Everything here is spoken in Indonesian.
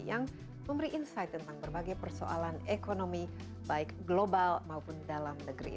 yang memberi insight tentang berbagai persoalan ekonomi baik global maupun dalam negeri